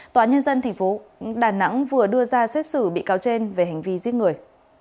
tòa nhân dân tp đà nẵng vừa đưa ra xét xử bị cáo trên về hành vi giết người